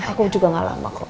aku juga gak lama kok